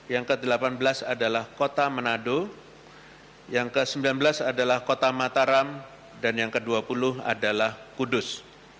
yang kedelapan belas adalah kota manado yang kesembilan belas adalah kota mataram dan yang kedua puluh adalah kudus